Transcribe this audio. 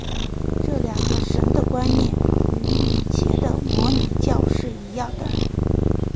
这两个神的观念与以前的摩尼教是一样的。